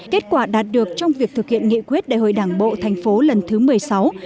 kết quả đạt được trong việc thực hiện nghị quyết đại hội đảng bộ thành phố lần thứ một mươi sáu